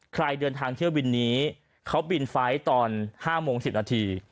ใครเดินทางเที่ยวบินนี้เขาบินไฟล์ตอน๕โมง๑๐นาที